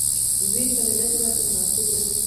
دوی سره جنګ راته مناسب نه دی.